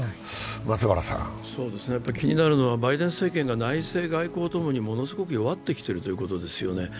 気になるのはバイデン政権が内政、外交ともにものすごく弱ってきているということですよね。